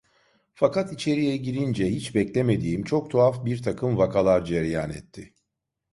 Fakat içeriye girince hiç beklemediğim, çok tuhaf birtakım vakalar cereyan etti.